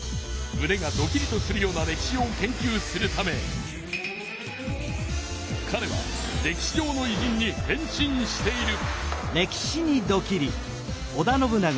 むねがドキリとするような歴史を研究するためかれは歴史上のいじんに変身している。